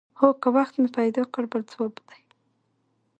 هو که وخت مې پیدا کړ بل ځواب دی.